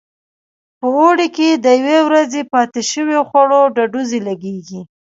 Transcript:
په اوړي کې د یوې ورځې پاتې شو خوړو ډډوزې لګېږي.